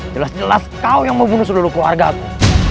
jelas jelas kau yang membunuh seluruh keluarga aku